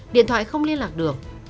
điện thoại không liên lạc được